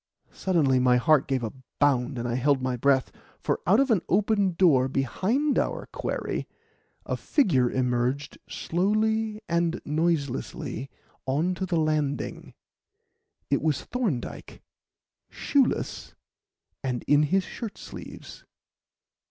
Suddenly my heart gave a bound and I held my breath, for out of an open door behind our quarry, a figure emerged slowly and noiselessly on to the landing. It was Thorndyke, shoeless, and in his shirt sleeves.